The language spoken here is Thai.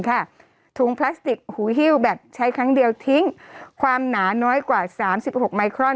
ถุงพลาสติกหูฮิ้วแบบใช้ครั้งเดียวทิ้งความหนาน้อยกว่า๓๖ไมครอน